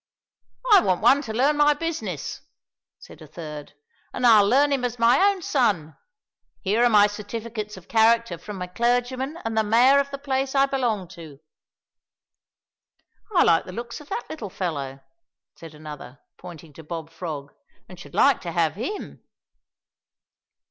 "I want one to learn my business," said a third, "and I'll learn him as my own son. Here are my certificates of character from my clergyman and the mayor of the place I belong to." "I like the looks of that little fellow," said another, pointing to Bob Frog, "and should like to have him."